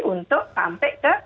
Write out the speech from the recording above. untuk sampai ke